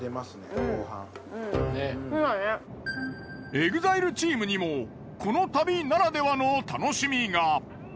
ＥＸＩＬＥチームにもこの旅ならではの楽しみが。